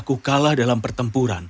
aku sudah pernah kalah dalam pertempuran